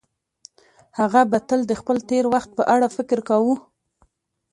هغه به تل د خپل تېر وخت په اړه فکر کاوه.